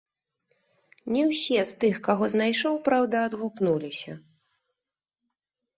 Не ўсе з тых, каго знайшоў, праўда, адгукнуліся.